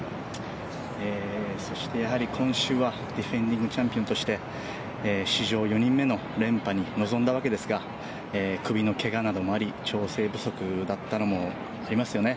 そして今週はディフェンディングチャンピオンとして史上４人目の連覇に臨んだわけですが、首のけがなどもあり、調整不足だったのもありますよね。